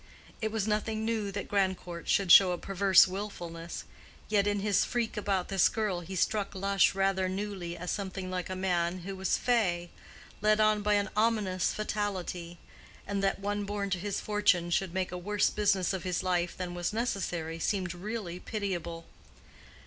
It was nothing new that Grandcourt should show a perverse wilfulness; yet in his freak about this girl he struck Lush rather newly as something like a man who was fey—led on by an ominous fatality; and that one born to his fortune should make a worse business of his life than was necessary, seemed really pitiable.